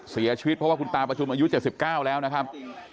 เสียชีวิตเพราะว่าคุณตาประชุมอายุ๗๙แล้วนะครับ